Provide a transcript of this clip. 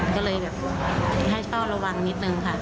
ก็เลยแบบให้เฝ้าระวังนิดนึงค่ะ